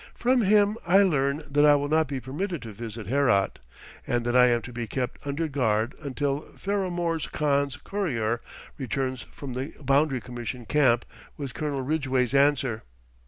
From him I learn that I will not be permitted to visit Herat, and that I am to be kept under guard until Faramorz Khan's courier returns from the Boundary Commission Camp with Colonel Ridgeway's answer.